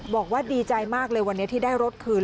บอกว่าดีใจมากเลยวันนี้ที่ได้รถคืน